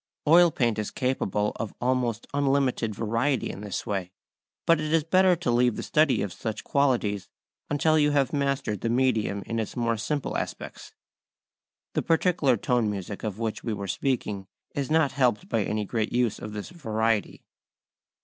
Oil paint is capable of almost unlimited variety in this way. But it is better to leave the study of such qualities until you have mastered the medium in its more simple aspects. The particular tone music of which we were speaking is not helped by any great use of this variety.